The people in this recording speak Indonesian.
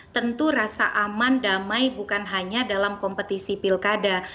tentu rasa aman damai bukan hanya dalam kompetisi pilkada